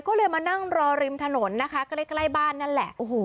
ก็เลยมานั่งรอริมถนนใกล้บ้านนั่นแหละ